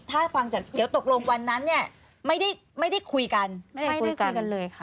ถ้าฟังจากเดี๋ยวตกลงวันนั้นเนี่ยไม่ได้คุยกันไม่ได้คุยกันเลยค่ะ